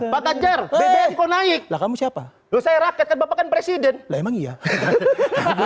pak ganjar bbm kok naik lah kamu siapa loh saya rakyat kan bapak kan presiden lah emang iya